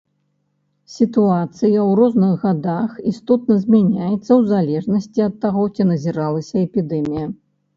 Сітуацыя ў розных гадах істотна змяняецца ў залежнасці ад таго, ці назіралася эпідэмія.